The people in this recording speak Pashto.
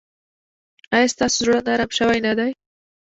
ایا ستاسو زړه نرم شوی نه دی؟